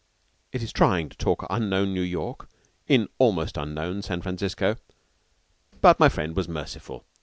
It is trying to talk unknown New York in almost unknown San Francisco. But my friend was merciful.